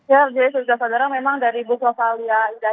ya jadi sudah saudara memang dari bus rosalia indah